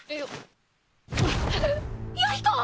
弥彦！？